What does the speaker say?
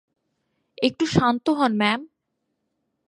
একটু শান্ত হোন, ম্যাম!